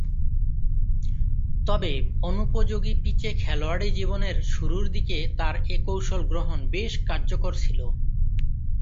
তবে অনুপযোগী পিচে খেলোয়াড়ী জীবনের শুরুর দিকে তার এ কৌশল গ্রহণ বেশ কার্যকর ছিল।